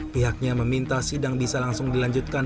pihaknya meminta sidang bisa langsung dilanjutkan